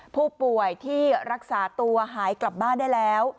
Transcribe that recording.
ผู้ป่วยที่รักษาตัวหายกลับบ้านได้แล้ว